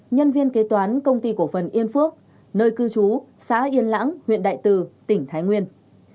nhân viên kế toán công ty cổ phần yên phước nơi cư trú xã yên lãng huyện đại từ tỉnh thái nguyên